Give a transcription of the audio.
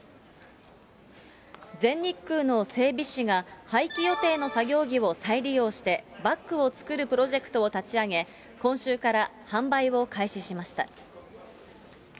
全日空の整備士が廃棄予定の作業着を再利用して、バッグを作るプロジェクトを立ち上げ、今週から販売を開始しました。